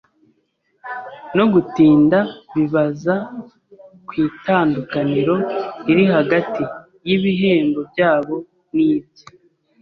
no gutinda bibaza ku itandukaniro riri hagati y’ibihembo byabo n’ibye.